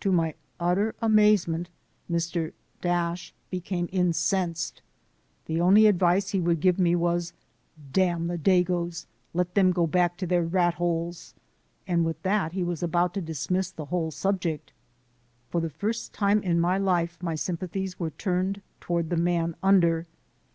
To my utter amazement Mr. became incensed. The only advice he would give me was: "Damn the dagoes, let them go back to their rat holes" and with that he was about to dismiss the whole subject. For the first time in my life my sympathies were turned toward the man under.